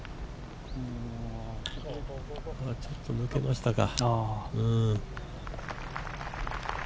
ちょっと抜けましたか。